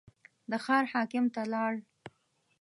د ښار حاکم ته لاړ.